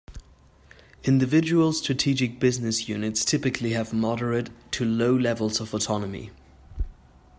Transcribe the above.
Individual strategic business units typically have moderate to low levels of autonomy.